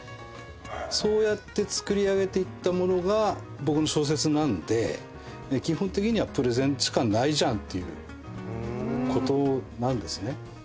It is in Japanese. そうやって作り上げていった物が僕の小説なんで基本的にはプレゼンしかないじゃんっていうことなんですね。